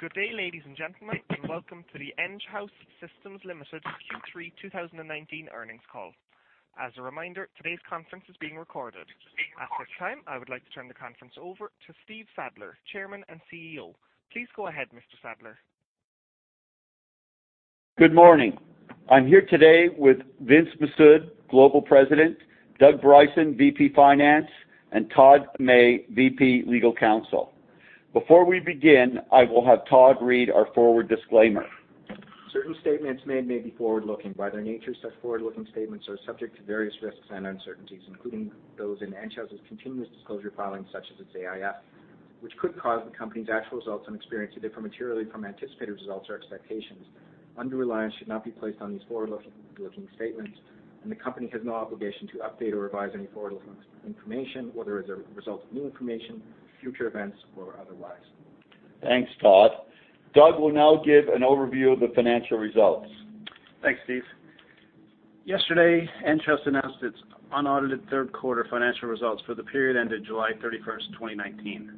Good day, ladies and gentlemen, and welcome to the Enghouse Systems Limited Q3 2019 earnings call. As a reminder, today's conference is being recorded. At this time, I would like to turn the conference over to Stephen Sadler, Chairman and CEO. Please go ahead, Mr. Sadler. Good morning. I'm here today with Vince Mifsud, Global President, Doug Bryson, VP Finance, and Todd May, VP Legal Counsel. Before we begin, I will have Todd read our forward disclaimer. Certain statements made may be forward-looking. By their nature, such forward-looking statements are subject to various risks and uncertainties, including those in Enghouse's continuous disclosure filings, such as its AIF, which could cause the company's actual results and experience to differ materially from anticipated results or expectations. Undue reliance should not be placed on these forward-looking statements, and the company has no obligation to update or revise any forward-looking information, whether as a result of new information, future events, or otherwise. Thanks, Todd. Doug will now give an overview of the financial results. Thanks, Steve. Yesterday, Enghouse announced its unaudited third quarter financial results for the period ended July 31st, 2019.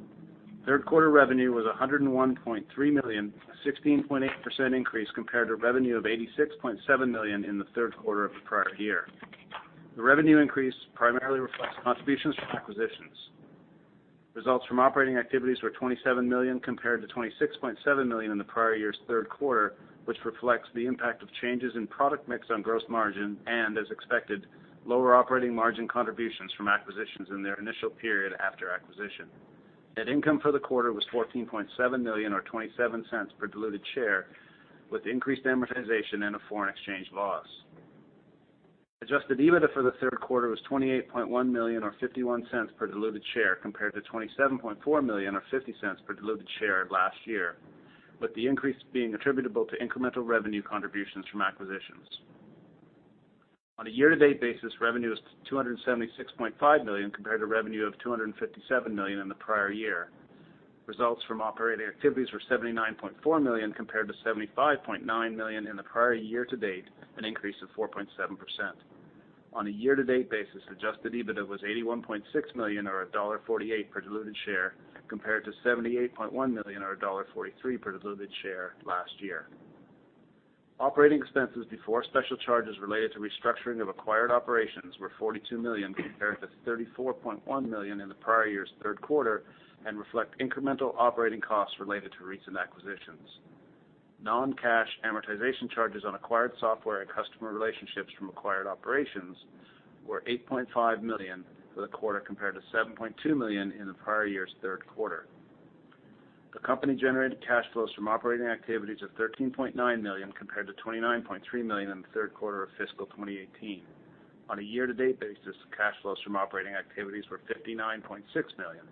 Third quarter revenue was 101.3 million, a 16.8% increase compared to revenue of 86.7 million in the third quarter of the prior year. The revenue increase primarily reflects contributions from acquisitions. Results from operating activities were 27 million, compared to 26.7 million in the prior year's third quarter, which reflects the impact of changes in product mix on gross margin and, as expected, lower operating margin contributions from acquisitions in their initial period after acquisition. Net income for the quarter was 14.7 million or 0.27 per diluted share, with increased amortization and a foreign exchange loss. Adjusted EBITDA for the third quarter was 28.1 million or 0.51 per diluted share compared to 27.4 million or 0.50 per diluted share last year, with the increase being attributable to incremental revenue contributions from acquisitions. On a year-to-date basis, revenue was 276.5 million compared to revenue of 257 million in the prior year. Results from operating activities were 79.4 million compared to 75.9 million in the prior year-to-date, an increase of 4.7%. On a year-to-date basis, adjusted EBITDA was 81.6 million or dollar 1.48 per diluted share compared to 78.1 million or dollar 1.43 per diluted share last year. Operating expenses before special charges related to restructuring of acquired operations were 42 million compared to 34.1 million in the prior year's third quarter and reflect incremental operating costs related to recent acquisitions. Non-cash amortization charges on acquired software and customer relationships from acquired operations were 8.5 million for the quarter compared to 7.2 million in the prior year's third quarter. The company generated cash flows from operating activities of 13.9 million compared to 29.3 million in the third quarter of fiscal 2018. On a year-to-date basis, cash flows from operating activities were 59.6 million.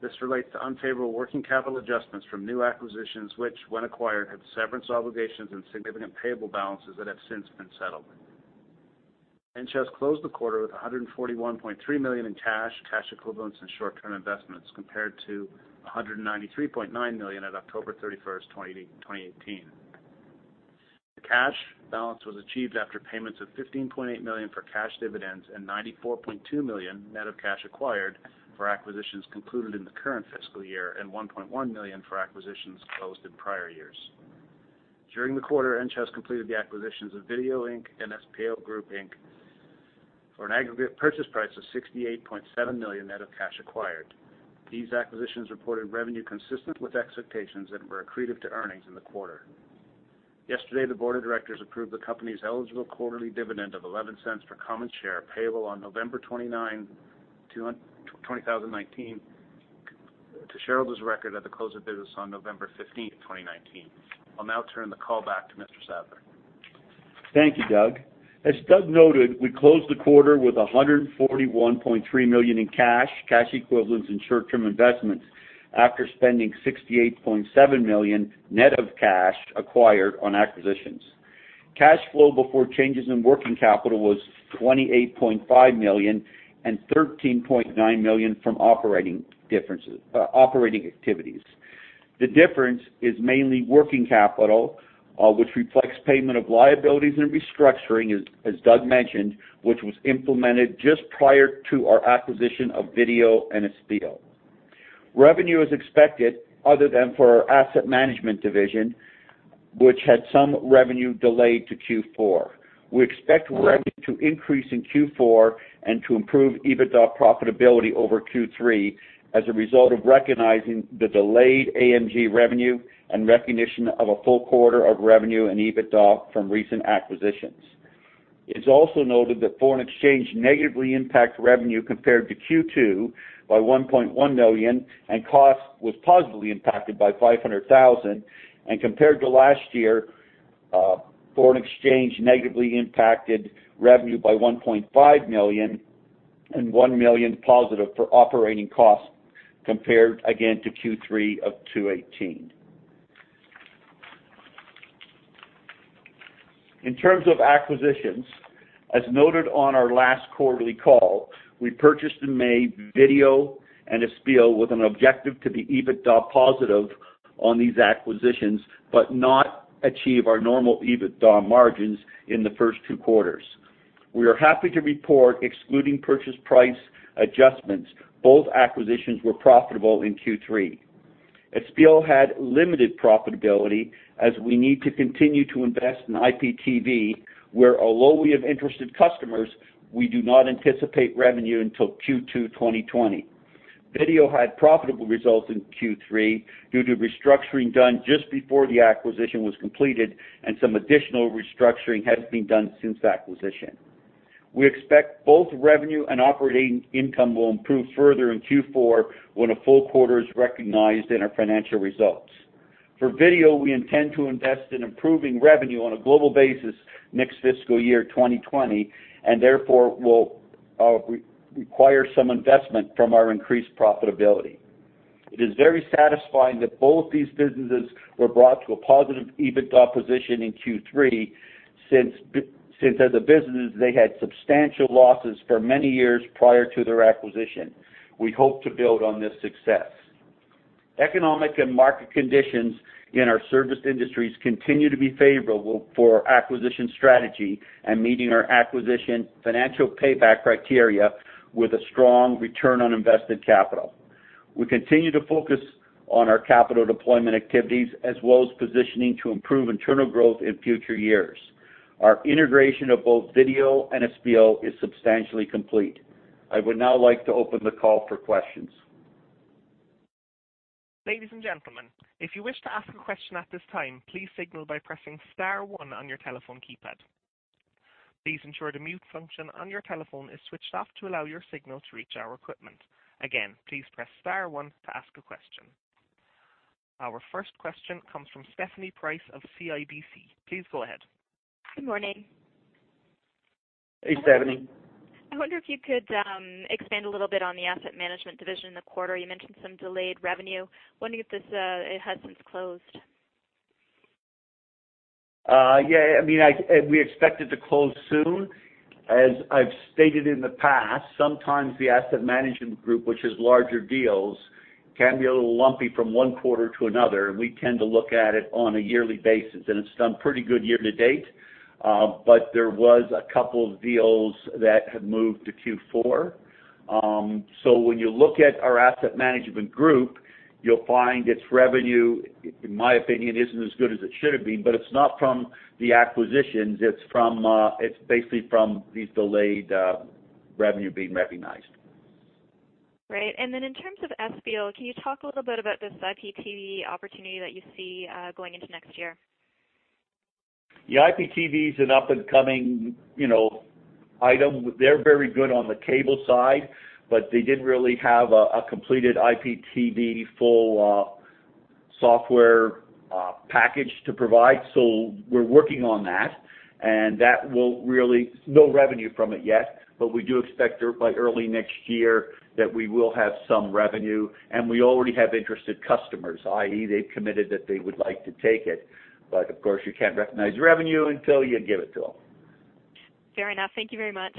This relates to unfavorable working capital adjustments from new acquisitions, which when acquired, had severance obligations and significant payable balances that have since been settled. Enghouse closed the quarter with 141.3 million in cash equivalents, and short-term investments, compared to 193.9 million at October 31st, 2018. The cash balance was achieved after payments of 15.8 million for cash dividends and 94.2 million net of cash acquired for acquisitions concluded in the current fiscal year and 1.1 million for acquisitions closed in prior years. During the quarter, Enghouse completed the acquisitions of Vidyo, Inc. and Espial Group Inc. for an aggregate purchase price of 68.7 million net of cash acquired. These acquisitions reported revenue consistent with expectations and were accretive to earnings in the quarter. Yesterday, the board of directors approved the company's eligible quarterly dividend of 0.11 per common share, payable on November 29, 2019, to shareholders of record at the close of business on November 15th, 2019. I'll now turn the call back to Mr. Sadler. Thank you, Doug. As Doug noted, we closed the quarter with 141.3 million in cash equivalents, and short-term investments after spending 68.7 million net of cash acquired on acquisitions. Cash flow before changes in working capital was 28.5 million and 13.9 million from operating activities. The difference is mainly working capital, which reflects payment of liabilities and restructuring, as Doug mentioned, which was implemented just prior to our acquisition of Vidyo and Espial. Revenue as expected, other than for our asset management division, which had some revenue delayed to Q4. We expect revenue to increase in Q4 and to improve EBITDA profitability over Q3 as a result of recognizing the delayed AMG revenue and recognition of a full quarter of revenue and EBITDA from recent acquisitions. It's also noted that foreign exchange negatively impacts revenue compared to Q2 by 1.1 million and cost was positively impacted by 500,000. Compared to last year, foreign exchange negatively impacted revenue by 1.5 million and 1 million positive for operating costs compared again to Q3 of 2018. In terms of acquisitions, as noted on our last quarterly call, we purchased in May Vidyo and Espial with an objective to be EBITDA positive on these acquisitions, but not achieve our normal EBITDA margins in the first two quarters. We are happy to report, excluding purchase price adjustments, both acquisitions were profitable in Q3. Espial had limited profitability, as we need to continue to invest in IPTV, where although we have interested customers, we do not anticipate revenue until Q2 2020. Vidyo had profitable results in Q3 due to restructuring done just before the acquisition was completed, and some additional restructuring has been done since acquisition. We expect both revenue and operating income will improve further in Q4 when a full quarter is recognized in our financial results. For Vidyo, we intend to invest in improving revenue on a global basis next fiscal year 2020, and therefore will require some investment from our increased profitability. It is very satisfying that both these businesses were brought to a positive EBITDA position in Q3, since as a business, they had substantial losses for many years prior to their acquisition. We hope to build on this success. Economic and market conditions in our service industries continue to be favorable for our acquisition strategy and meeting our acquisition financial payback criteria with a strong return on invested capital. We continue to focus on our capital deployment activities as well as positioning to improve internal growth in future years. Our integration of both Vidyo and Espial is substantially complete. I would now like to open the call for questions. Ladies and gentlemen, if you wish to ask a question at this time, please signal by pressing star one on your telephone keypad. Please ensure the mute function on your telephone is switched off to allow your signal to reach our equipment. Again, please press star one to ask a question. Our first question comes from Stephanie Price of CIBC. Please go ahead. Good morning. Hey, Stephanie. I wonder if you could expand a little bit on the asset management division in the quarter. You mentioned some delayed revenue. Wondering if it has since closed? Yeah, we expect it to close soon. As I've stated in the past, sometimes the Asset Management Group, which is larger deals, can be a little lumpy from one quarter to another, and we tend to look at it on a yearly basis. It's done pretty good year to date. There was a couple of deals that have moved to Q4. When you look at our Asset Management Group, you'll find its revenue, in my opinion, isn't as good as it should've been. It's not from the acquisitions. It's basically from these delayed revenue being recognized. Right. Then in terms of Espial, can you talk a little bit about this IPTV opportunity that you see going into next year? Yeah, IPTV is an up-and-coming item. They're very good on the cable side, but they didn't really have a completed IPTV full software package to provide. We're working on that. No revenue from it yet, but we do expect by early next year that we will have some revenue, and we already have interested customers, i.e., they've committed that they would like to take it. Of course, you can't recognize revenue until you give it to them. Fair enough. Thank you very much.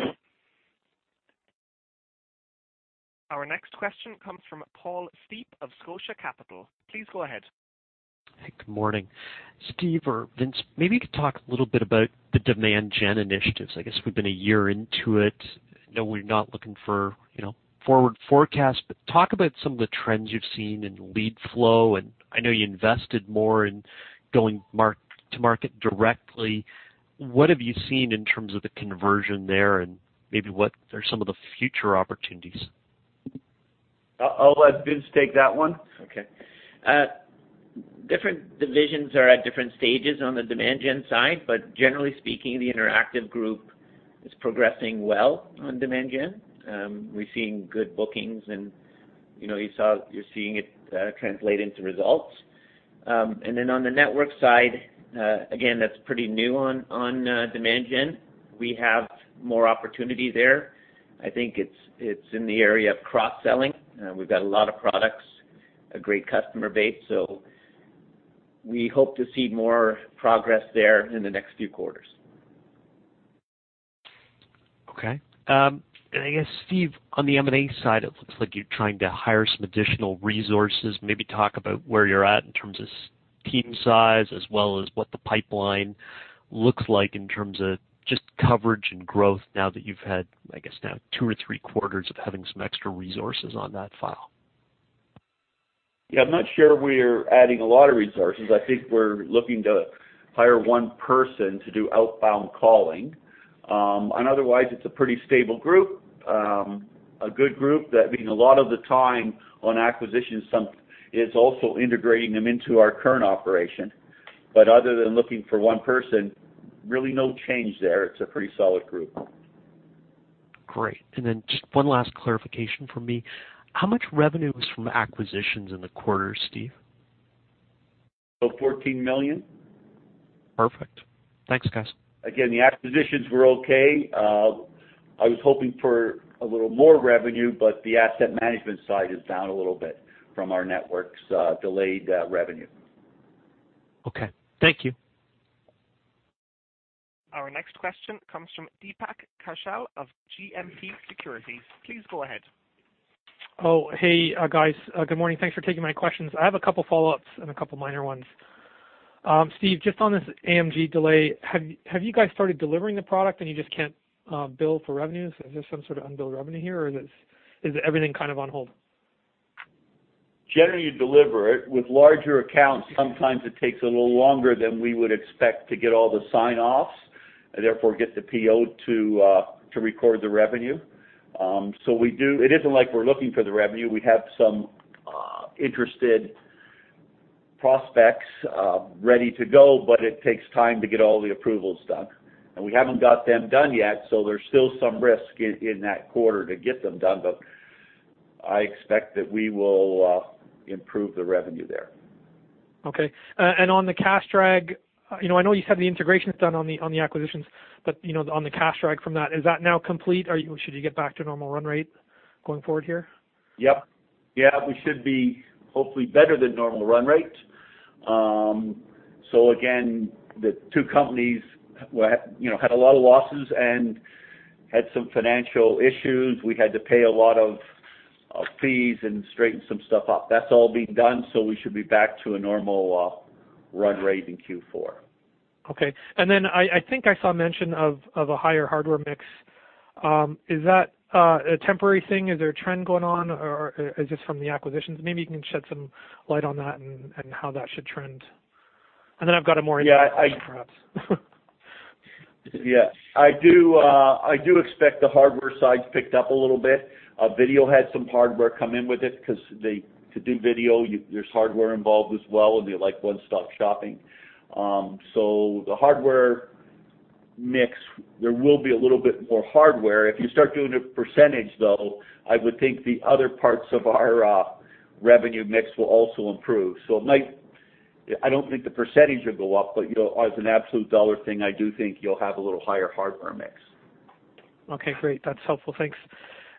Our next question comes from Paul Steep of Scotia Capital. Please go ahead. Hey, good morning. Steve or Vince, maybe you could talk a little bit about the demand gen initiatives. I guess we've been a year into it. I know we're not looking for forward forecast, but talk about some of the trends you've seen in lead flow. I know you invested more in going to market directly. What have you seen in terms of the conversion there, and maybe what are some of the future opportunities? I'll let Vince take that one. Okay. Different divisions are at different stages on the demand gen side. Generally speaking, the interactive group is progressing well on demand gen. We're seeing good bookings and you're seeing it translate into results. Then on the network side, again, that's pretty new on demand gen. We have more opportunity there. I think it's in the area of cross-selling. We've got a lot of products, a great customer base, so we hope to see more progress there in the next few quarters. Okay. I guess, Steve, on the M&A side, it looks like you're trying to hire some additional resources. Maybe talk about where you're at in terms of team size, as well as what the pipeline looks like in terms of just coverage and growth now that you've had, I guess now two or three quarters of having some extra resources on that file. Yeah, I'm not sure we're adding a lot of resources. I think we're looking to hire one person to do outbound calling. Otherwise, it's a pretty stable group, a good group that, a lot of the time on acquisition stuff is also integrating them into our current operation. Other than looking for one person, really no change there. It's a pretty solid group. Great. Then just one last clarification from me. How much revenue was from acquisitions in the quarter, Steve? About 14 million. Perfect. Thanks, guys. The acquisitions were okay. I was hoping for a little more revenue, but the asset management side is down a little bit from our network's delayed revenue. Okay. Thank you. Our next question comes from Deepak Kaushal of GMP Securities. Please go ahead. Hey guys. Good morning. Thanks for taking my questions. I have a couple of follow-ups and a couple of minor ones. Steve, just on this AMG delay, have you guys started delivering the product and you just can't bill for revenues? Is this some sort of unbilled revenue here, or is everything kind of on hold? Generally, you deliver it. With larger accounts, sometimes it takes a little longer than we would expect to get all the sign-offs, and therefore get the PO to record the revenue. It isn't like we're looking for the revenue. We have some interested prospects ready to go, but it takes time to get all the approvals done, and we haven't got them done yet, so there's still some risk in that quarter to get them done. I expect that we will improve the revenue there. Okay. On the cash drag, I know you said the integration's done on the acquisitions, but on the cash drag from that, is that now complete? Should you get back to normal run rate going forward here? Yep. Yeah, we should be hopefully better than normal run rate. Again, the two companies had a lot of losses and had some financial issues. We had to pay a lot of fees and straighten some stuff up. That's all being done, so we should be back to a normal run rate in Q4. Okay. I think I saw mention of a higher hardware mix. Is that a temporary thing? Is there a trend going on, or is this from the acquisitions? Maybe you can shed some light on that and how that should trend. I've got a more- Yeah perhaps. Yeah, I do expect the hardware side to pick up a little bit. Vidyo had some hardware come in with it because to do video, there's hardware involved as well, and they like one-stop shopping. The hardware mix, there will be a little bit more hardware. If you start doing a percentage though, I would think the other parts of our revenue mix will also improve. I don't think the percentage will go up, but as an absolute dollar thing, I do think you'll have a little higher hardware mix. Okay, great. That's helpful. Thanks.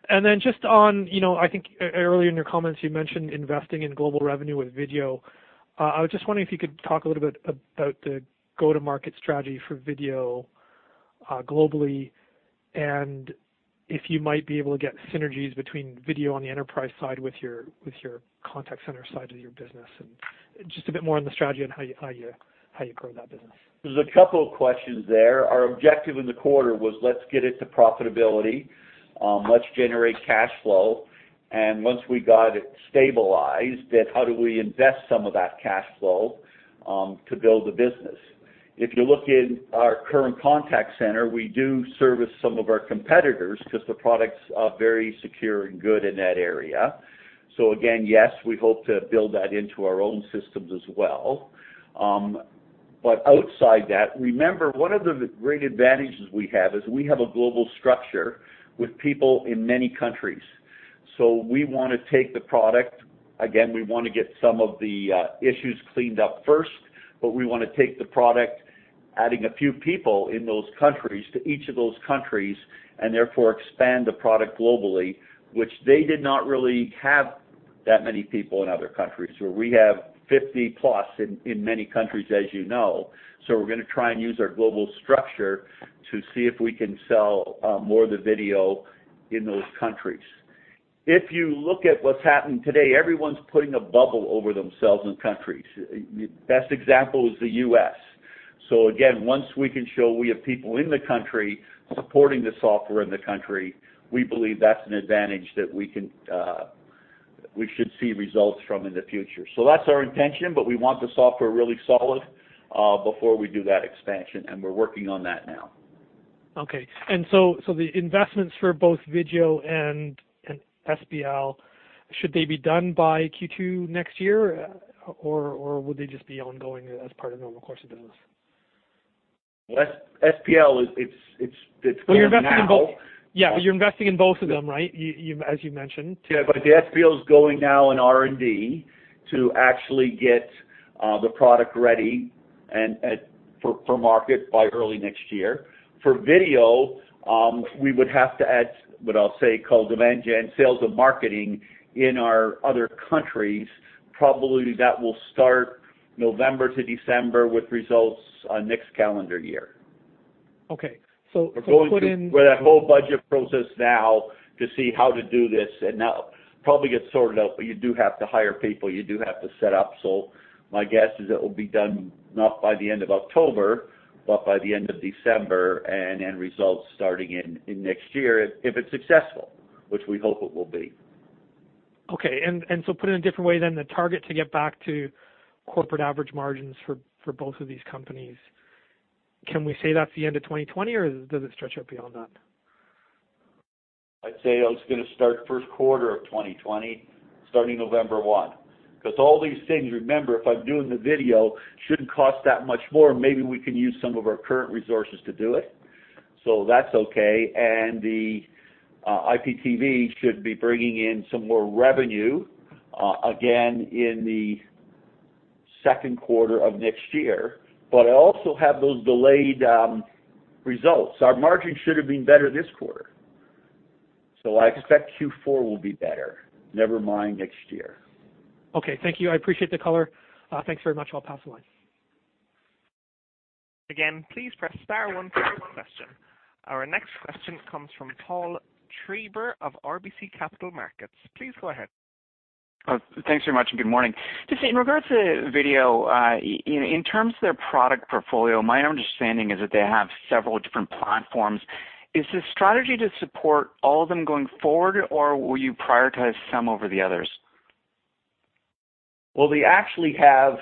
Then just on, I think earlier in your comments, you mentioned investing in global revenue with Vidyo. I was just wondering if you could talk a little bit about the go-to-market strategy for Vidyo globally, and if you might be able to get synergies between Vidyo on the enterprise side with your contact center side of your business, and just a bit more on the strategy on how you grow that business. There's a couple of questions there. Our objective in the quarter was let's get it to profitability, let's generate cash flow, and once we got it stabilized, then how do we invest some of that cash flow to build a business? If you look in our current contact center, we do service some of our competitors because the products are very secure and good in that area. Again, yes, we hope to build that into our own systems as well. Outside that, remember, one of the great advantages we have is we have a global structure with people in many countries. We want to take the product. We want to get some of the issues cleaned up first, but we want to take the product, adding a few people in those countries to each of those countries, and therefore expand the product globally, which they did not really have that many people in other countries, where we have 50+ in many countries, you know. We're going to try and use our global structure to see if we can sell more of the Vidyo in those countries. If you look at what's happened today, everyone's putting a bubble over themselves and countries. Best example is the U.S. Once we can show we have people in the country supporting the software in the country, we believe that's an advantage that we should see results from in the future. That's our intention, but we want the software really solid before we do that expansion, and we're working on that now. Okay. The investments for both Vidyo and Espial, should they be done by Q2 next year, or will they just be ongoing as part of the normal course of business? Espial, it's going now. Yeah, you're investing in both of them, right? As you mentioned. Yeah, the Espial is going now in R&D to actually get the product ready for market by early next year. For video, we would have to add what I'll say called demand gen, sales, and marketing in our other countries. Probably that will start November to December with results on next calendar year. Okay. We're in that whole budget process now to see how to do this, and that'll probably get sorted out, but you do have to hire people, you do have to set up. My guess is it will be done not by the end of October, but by the end of December, and then results starting in next year if it's successful, which we hope it will be. Okay. Put it in a different way then, the target to get back to corporate average margins for both of these companies. Can we say that's the end of 2020, or does it stretch out beyond that? I'd say it's going to start 1st quarter of 2020, starting November 1. All these things, remember, if I'm doing the Vidyo, shouldn't cost that much more. Maybe we can use some of our current resources to do it. That's okay, and the IPTV should be bringing in some more revenue, again, in the 2nd quarter of next year. I also have those delayed results. Our margins should have been better this quarter. I expect Q4 will be better, never mind next year. Okay, thank you. I appreciate the color. Thanks very much. I'll pass the line. Again, please press star one for your question. Our next question comes from Paul Treiber of RBC Capital Markets. Please go ahead. Thanks very much. Good morning. Just in regards to Vidyo, in terms of their product portfolio, my understanding is that they have several different platforms. Is the strategy to support all of them going forward, or will you prioritize some over the others? They actually have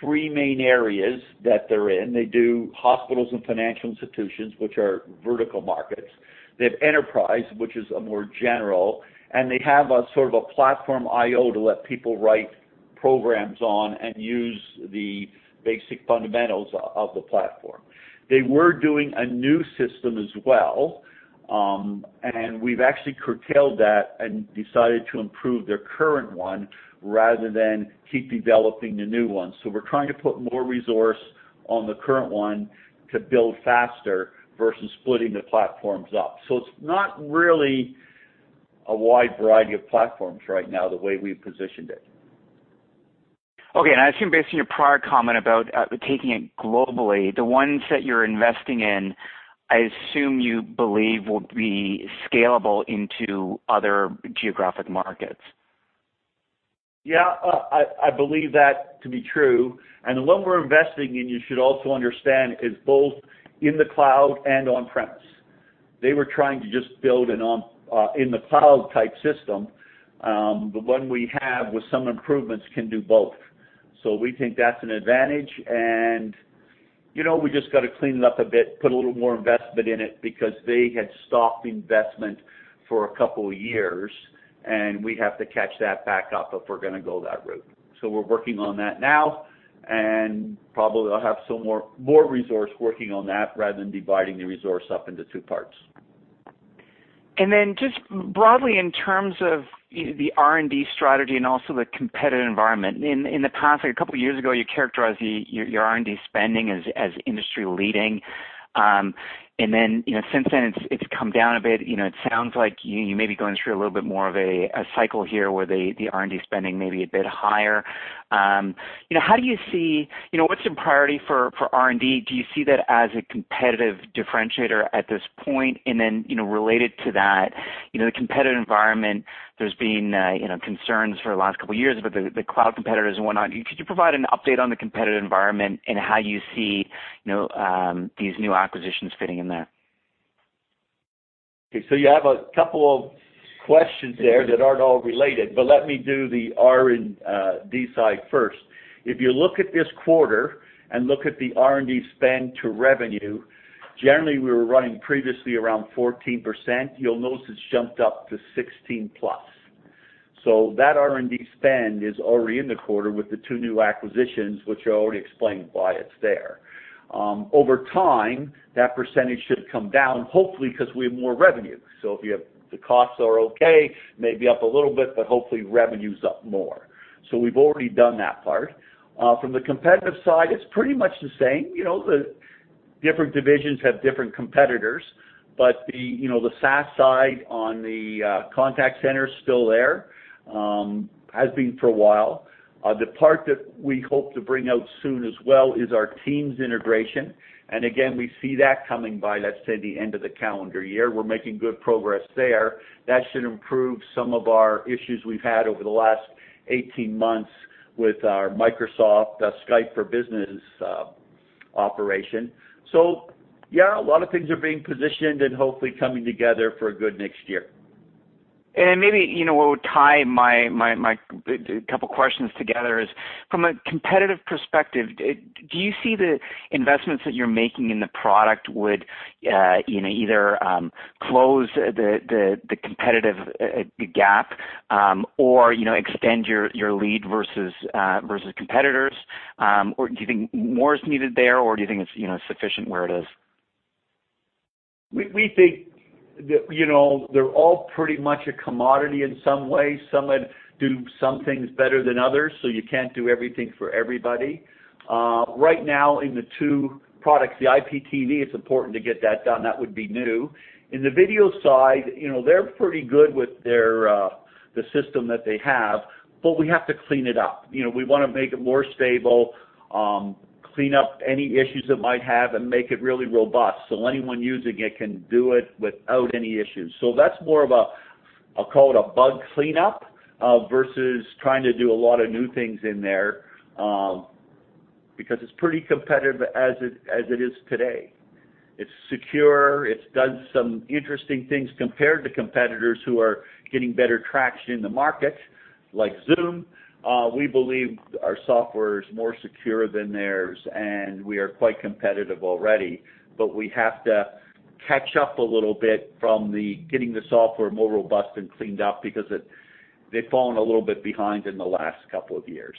three main areas that they're in. They do hospitals and financial institutions, which are vertical markets. They have enterprise, which is a more general, and they have a sort of a PlatformIO to let people write programs on and use the basic fundamentals of the platform. They were doing a new system as well, and we've actually curtailed that and decided to improve their current one rather than keep developing the new one. We're trying to put more resource on the current one to build faster versus splitting the platforms up. It's not really a wide variety of platforms right now, the way we've positioned it. Okay. I assume based on your prior comment about taking it globally, the ones that you're investing in, I assume you believe will be scalable into other geographic markets. Yeah, I believe that to be true. The one we're investing in, you should also understand, is both in the cloud and on-premise. They were trying to just build in the cloud type system. The one we have with some improvements can do both. We think that's an advantage. We just got to clean it up a bit, put a little more investment in it because they had stopped investment for a couple of years, and we have to catch that back up if we're going to go that route. We're working on that now, and probably I'll have some more resource working on that rather than dividing the resource up into two parts. Just broadly in terms of the R&D strategy and also the competitive environment. In the past, a couple of years ago, you characterized your R&D spending as industry leading. Since then it's come down a bit. It sounds like you may be going through a little bit more of a cycle here where the R&D spending may be a bit higher. What's the priority for R&D? Do you see that as a competitive differentiator at this point? Related to that, the competitive environment, there's been concerns for the last couple of years about the cloud competitors and whatnot. Could you provide an update on the competitive environment and how you see these new acquisitions fitting in there? You have a couple of questions there that aren't all related, but let me do the R&D side first. If you look at this quarter and look at the R&D spend to revenue, generally we were running previously around 14%. You'll notice it's jumped up to 16+. That R&D spend is already in the quarter with the two new acquisitions, which I already explained why it's there. Over time, that percentage should come down, hopefully because we have more revenue. If the costs are okay, maybe up a little bit, but hopefully revenue's up more. We've already done that part. From the competitive side, it's pretty much the same. The different divisions have different competitors, but the SaaS side on the contact center is still there, has been for a while. The part that we hope to bring out soon as well is our Teams integration. Again, we see that coming by, let's say, the end of the calendar year. We're making good progress there. That should improve some of our issues we've had over the last 18 months with our Microsoft Skype for Business operation. Yeah, a lot of things are being positioned and hopefully coming together for a good next year. Maybe what would tie my couple questions together is, from a competitive perspective, do you see the investments that you're making in the product would either close the competitive gap or extend your lead versus competitors? Do you think more is needed there? Do you think it's sufficient where it is? We think that they're all pretty much a commodity in some way. Some would do some things better than others, so you can't do everything for everybody. Right now in the two products, the IPTV, it's important to get that done. That would be new. In the video side, they're pretty good with the system that they have, but we have to clean it up. We want to make it more stable, clean up any issues it might have and make it really robust so anyone using it can do it without any issues. That's more of a, I'll call it a bug cleanup, versus trying to do a lot of new things in there, because it's pretty competitive as it is today. It's secure. It does some interesting things compared to competitors who are getting better traction in the market, like Zoom. We believe our software is more secure than theirs, and we are quite competitive already. We have to catch up a little bit from the getting the software more robust and cleaned up because they've fallen a little bit behind in the last couple of years.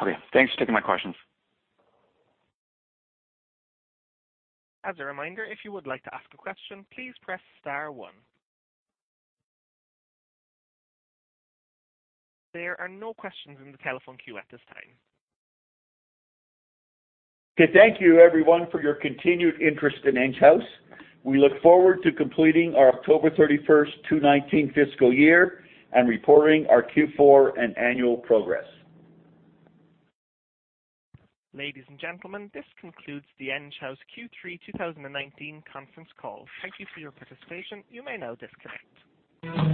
Okay. Thanks for taking my questions. As a reminder, if you would like to ask a question, please press star one. There are no questions in the telephone queue at this time. Okay. Thank you everyone for your continued interest in Enghouse. We look forward to completing our October 31st 2019 fiscal year and reporting our Q4 and annual progress. Ladies and gentlemen, this concludes the Enghouse Q3 2019 conference call. Thank you for your participation. You may now disconnect.